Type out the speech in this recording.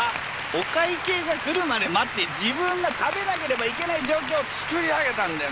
お会計が来るまで待って自分が食べなければいけない状況をつくり上げたんだよね。